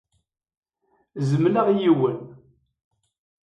Zemleɣ yiwen.